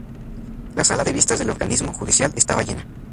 La sala de vistas del Organismo Judicial estaba llena.